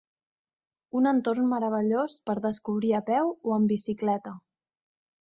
Un entorn meravellós per descobrir a peu o en bicicleta.